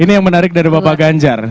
ini yang menarik dari bapak ganjar